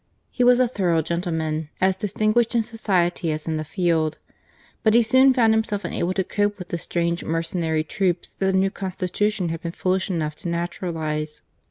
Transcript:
He was a thorough gentleman, as distinguished in society as in the field. But he soon found himself unable to cope with the strange merce nary troops which the new constitution had been foolish enough to naturalize.